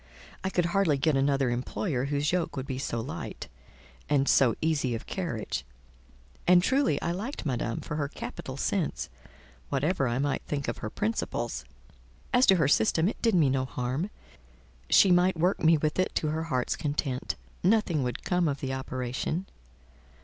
I could hardly get another employer whose yoke would be so light and so, easy of carriage; and truly I liked Madame for her capital sense, whatever I might think of her principles: as to her system, it did me no harm; she might work me with it to her heart's content: nothing would come of the operation.